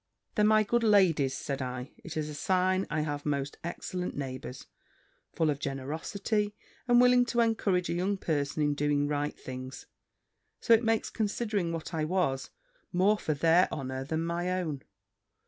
"Then, my good ladies," said I, "it is a sign I have most excellent neighbours, full of generosity, and willing to encourage a young person in doing right things: so it makes, considering what I was, more for their honour than my own.